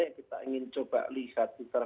yang kita ingin coba lihat